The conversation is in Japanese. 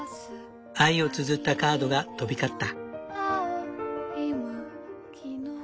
愛をつづったカードが飛び交った。